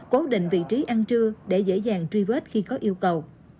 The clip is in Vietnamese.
cố định vị trí ăn trưa để dễ dàng truy vết khi có yêu cầu